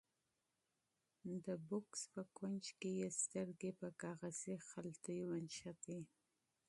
د بکس په کونج کې یې سترګې په کاغذي خلطې ونښتې.